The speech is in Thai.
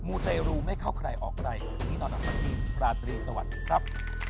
งูเตรลูไม่เข้าใครออกใกล้ที่นอนธรรมดีราตรีสวัสดีครับ